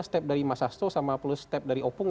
step dari mas hasto sama plus step dari opung